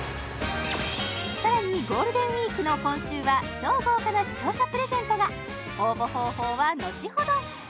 さらにゴールデンウィークの今週は超豪華な視聴者プレゼントが応募方法はのちほど！